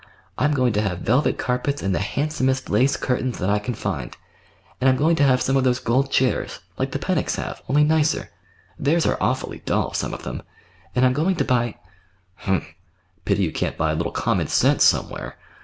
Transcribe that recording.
I'm going to have velvet carpets and the handsomest lace curtains that I can find; and I'm going to have some of those gold chairs, like the Pennocks have, only nicer. Theirs are awfully dull, some of them. And I'm going to buy—" "Humph! Pity you can't buy a little common sense—somewhere!"